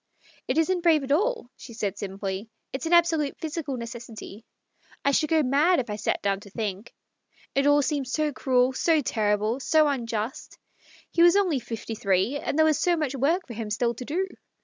" It isn't brave at all," she said simply. " It's an absolute physical necessity ; I should go mad if I sat down to think. It all seems so cruel, so terrible, so unjust. He was only fifty three, and there was so much work for him still to do.